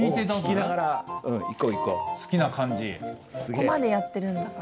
ここまでやってるんだから。